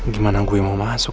gimana gue mau masuk